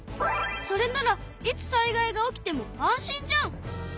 それならいつ災害が起きても安心じゃん！